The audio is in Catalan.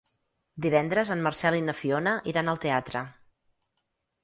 Divendres en Marcel i na Fiona iran al teatre.